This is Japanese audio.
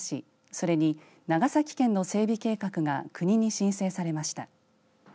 それに長崎県の整備計画が国に申請されました。